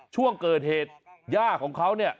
ช่วงเกิดเหตุย่าของเขาเนี่ย